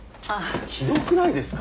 ひどくないですか？